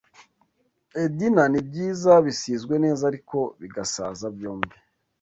Edina nibyiza-bisizwe neza ariko bigasaza byombi